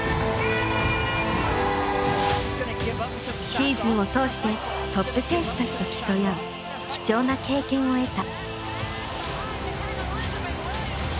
シーズンを通してトップ選手たちと競い合う貴重な経験を得た。